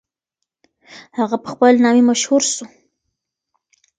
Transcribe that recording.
هغه په خپل نامې مشهور سو.